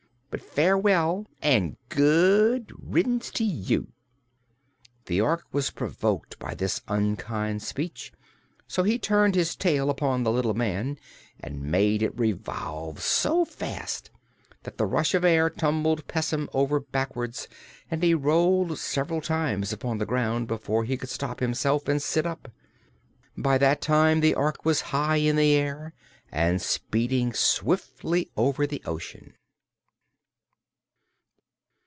But farewell, and good riddance to you." The Ork was provoked by this unkind speech, so he turned his tail toward the little man and made it revolve so fast that the rush of air tumbled Pessim over backward and he rolled several times upon the ground before he could stop himself and sit up. By that time the Ork was high in the air and speeding swiftly over the ocean.